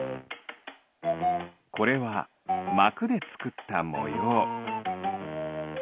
これはまくでつくったもよう。